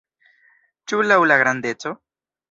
Ĉu laŭ la grandeco?